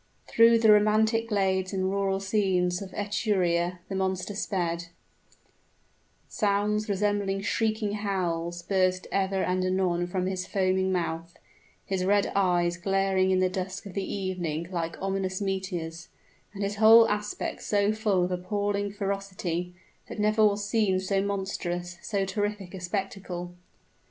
Through the romantic glades and rural scenes of Etruria the monster sped sounds, resembling shrieking howls, bursting ever and anon from his foaming mouth his red eyes glaring in the dusk of the evening like ominous meteors and his whole aspect so full of appalling ferocity, that never was seen so monstrous, so terrific a spectacle!